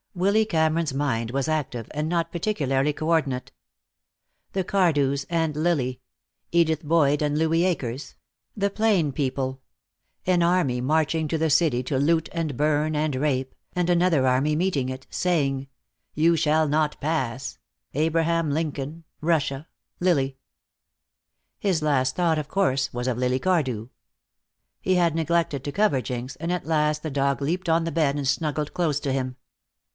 Willy Cameron's mind was active and not particularly coordinate. The Cardews and Lily; Edith Boyd and Louis Akers; the plain people; an army marching to the city to loot and burn and rape, and another army meeting it, saying: "You shall not pass"; Abraham Lincoln, Russia, Lily. His last thought, of course, was of Lily Cardew. He had neglected to cover Jinx, and at last the dog leaped on the bed and snuggled close to him.